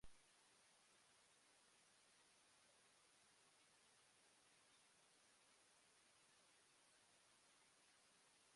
Today, it is ethnically diverse.